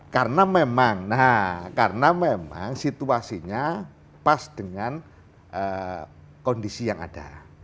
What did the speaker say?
karena memang nah karena memang situasinya pas dengan kondisi yang ada